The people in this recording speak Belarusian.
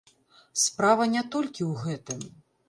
Справа не толькі ў гэтым.